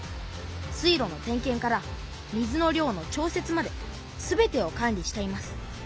水路の点けんから水の量の調節まで全てを管理しています。